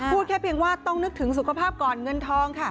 พูดแค่เพียงว่าต้องนึกถึงสุขภาพก่อนเงินทองค่ะ